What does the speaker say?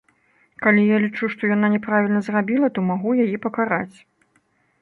Калі я лічу, што яна няправільна зрабіла, то магу яе пакараць.